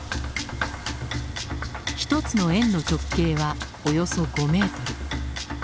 一つの円の直径はおよそ５メートル。